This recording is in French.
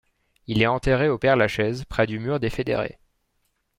Il est enterré au Père-Lachaise près du mur des Fédérés.